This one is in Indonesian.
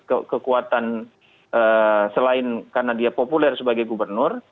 kofifah punya kekuatan selain karena dia populer sebagai gubernur